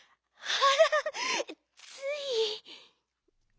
あらつい。